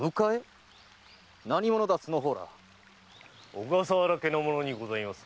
小笠原家の者にございます。